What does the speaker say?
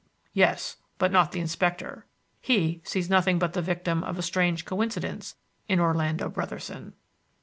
"Yes, but not the Inspector. He sees nothing but the victim of a strange coincidence in Orlando Brotherson."